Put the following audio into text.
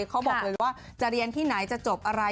เขาบอกเลยว่าจะเรียนที่ไหนจะจบอะไร